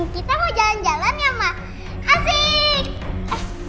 kita mau jalan jalan ya ma asik